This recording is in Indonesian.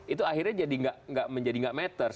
itu akhirnya menjadi tidak matters